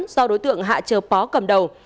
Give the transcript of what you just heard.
do đối tượng hạ trợ pó cầm đầu